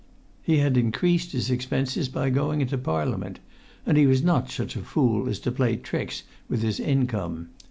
He had increased his expenses by going into Parliament, and he was not such a fool as to play tricks with his income.